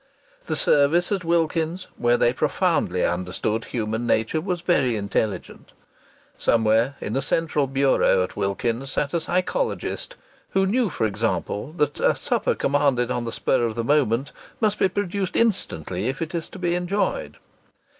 The service at Wilkins's, where they profoundly understood human nature, was very intelligent. Somewhere in a central bureau at Wilkins's sat a psychologist, who knew, for example, that a supper commanded on the spur of the moment must be produced instantly if it is to be enjoyed.